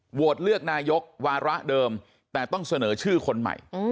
โหวตเลือกนายกวาระเดิมแต่ต้องเสนอชื่อคนใหม่